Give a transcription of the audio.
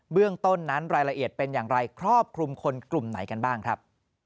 เรื่องต้นนั้นรายละเอียดเป็นอย่างไรครอบคลุมคนกลุ่มไหนกันบ้างครับ